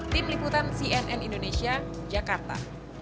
tim liputan cnn indonesia jakarta